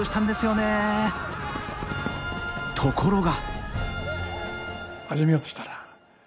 ところが。